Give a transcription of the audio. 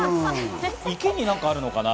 池に何かあるのかな？